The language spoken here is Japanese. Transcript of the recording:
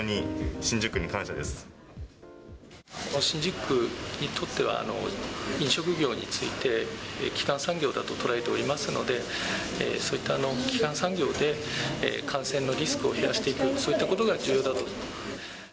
新宿区にとっては、飲食業について、基幹産業だと捉えておりますので、そういった基幹産業で感染のリスクを減らしていく、そういったことが重要だと。